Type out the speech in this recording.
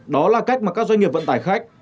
đó là cách mà các doanh nghiệp vận tải khách